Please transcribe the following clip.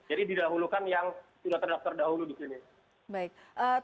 jadi didahulukan yang sudah terdaftar dahulu di sini